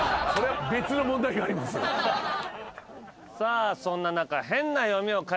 さあそんな中。